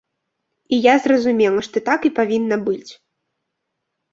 І я зразумела, што так і павінна быць.